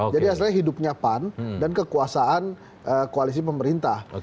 jadi asalnya hidupnya pan dan kekuasaan koalisi pemerintah